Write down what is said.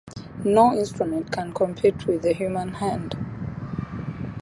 No instrument can compete with the human hand.